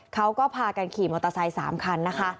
เขาก็พากันขี่มอเตอร์ไซค์๓คันนะคะ